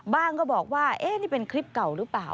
ก็บอกว่านี่เป็นคลิปเก่าหรือเปล่า